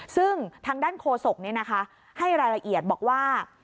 ซึ่งทางด้านโฆษกนี่นะคะให้รายละเอียดบอกว่า